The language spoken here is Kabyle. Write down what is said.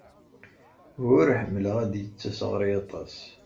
Ur ḥemmleɣ ad d-yettas ɣer-i aṭas.